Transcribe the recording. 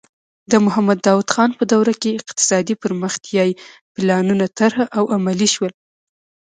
د محمد داؤد خان په دوره کې اقتصادي پرمختیايي پلانونه طرح او عملي شول.